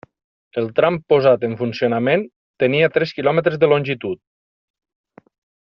El tram posat en funcionament tenia tres quilòmetres de longitud.